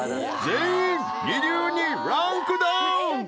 全員二流にランクダウン！